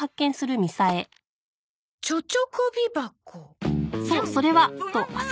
「ちょちょこびばこ」。